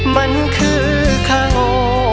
มันคือข้างโง่